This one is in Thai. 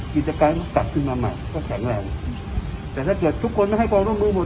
กิจการต้องกลับขึ้นมาใหม่ก็แข็งแรงแต่ถ้าเกิดทุกคนไม่ให้ความร่วมมือหมด